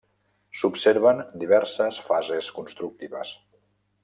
S'observen diverses fases constructives.